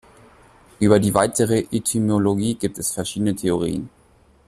Über die weitere Etymologie gibt es verschiedene Theorien.